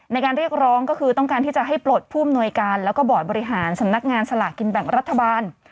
ในการเรียกร้องก็คือต้องการที่จะให้ปลดผู้อำนวยการแล้วก็บอร์ดบริหารสำนักงานสลากกินแบ่งรัฐบาล